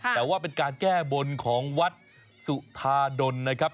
แต่ว่าเป็นการแก้บนของวัดสุธาดลนะครับ